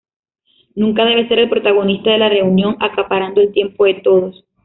Nunca debe ser el protagonista de la reunión, acaparando el tiempo de todos.